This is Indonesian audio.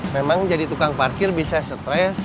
memang jadi tukang parkir bisa stres